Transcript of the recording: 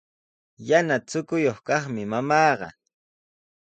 Yana chukuyuq kaqmi mamaaqa.